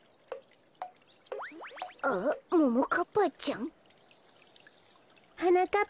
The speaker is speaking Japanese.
あっももかっぱちゃん？はなかっ